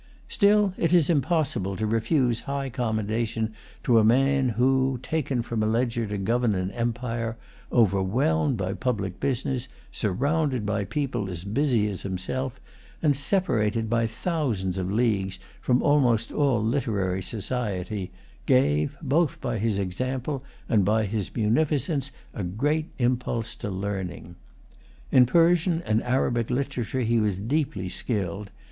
Still, it is impossible to refuse high commendation to a man who, taken from a ledger to govern an empire, overwhelmed by public business, surrounded by people as busy as himself, and separated by thousands of leagues from almost all literary society, gave, both by his example and by his munificence, a great impulse to learning. In Persian and Arabic literature he was deeply skilled.